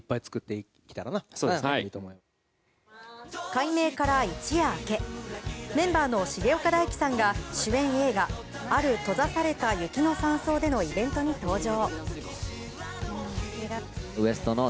改名から一夜明けメンバーの重岡大毅さんが主演映画「ある閉ざされた雪の山荘で」のイベントに登場。